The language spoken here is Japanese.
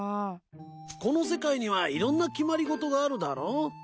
この世界にはいろんな決まりごとがあるだろ？